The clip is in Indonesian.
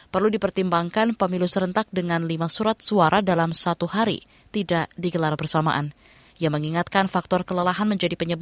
pertama kali kita berkahwin